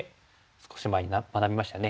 少し前に学びましたね。